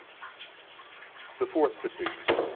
The Fourth Petition.